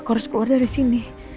aku harus keluar dari sini